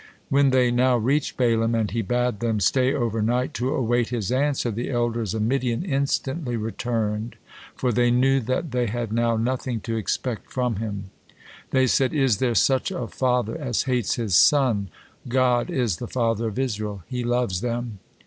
When they now reached Balaam and he bade them stay over night to await his answer, the elders of Midian instantly returned, for they knew that they had now nothing to expect from him. They said: "Is there such a father as hates his son? God is the father of Israel, He loves them.